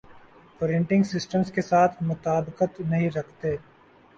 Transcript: پریٹنگ systems کے ساتھ مطابقت نہیں رکھتے